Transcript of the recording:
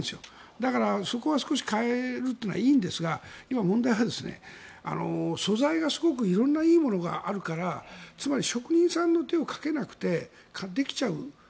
だからそこは少し変えるというのはいいんですが今、問題は素材がすごく色んないいものがあるからつまり、職人さんの手をかけなくてできちゃう。